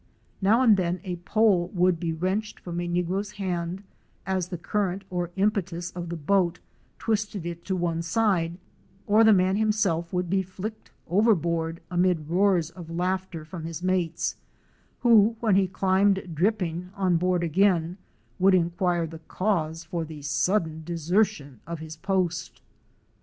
Now and then a pole would be wrenched from a negro's hand as the current or impetus of the boat twisted it to one side, or the man himself would be flicked overboard amid roars of laughter from his mates, who, when he climbed dripping on board again, would inquire the cause for the sudden desertion of his post.